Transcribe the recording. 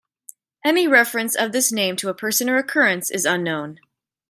Any reference of this name to a person or occurrence is unknown.